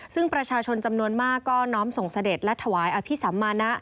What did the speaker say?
ซึ่งประชาชนจำนวนมากก็น้อมส่งเสด็จและถวายอภิสัมมานะ